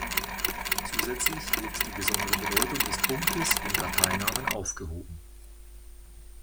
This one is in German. Zusätzlich wird die besondere Bedeutung des Punktes in Dateinamen aufgehoben.